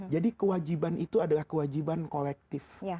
jadi kewajiban itu adalah kewajiban kolektif